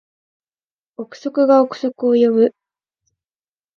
憶測が憶測を呼ぶ